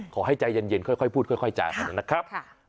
ขอให้ใจเย็นค่อยพูดค่อยจากันนะครับ